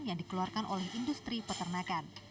yang dikeluarkan oleh industri peternakan